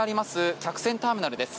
客船ターミナルです。